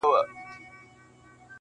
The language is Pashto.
• دا اټک اټک سيندونه -